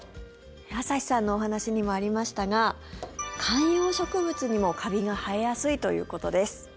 朝日さんのお話にもありましたが観葉植物にもカビが生えやすいということです。